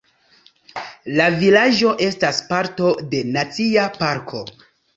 La vilaĝo estas parto de Nacia parko.